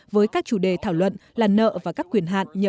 với các chủ đề thảo luận là nợ và các quyền hạn